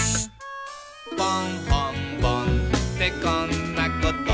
「ぽんほんぼんってこんなこと」